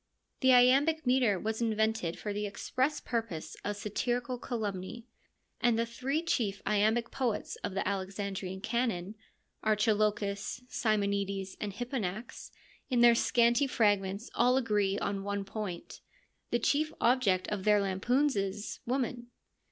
The iambic metre was invented for the express purpose of satirical calumny, and the three chief iambic poets of the Alexandrian canon, Archilochus, Simonides, and Hipponax, in their scanty fragments all agree on one point : the chief object of their lampoons is — woman.